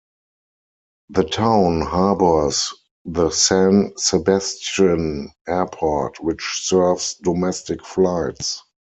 The town harbours the San Sebastian Airport, which serves domestic flights.